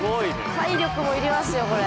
体力も要りますよこれ。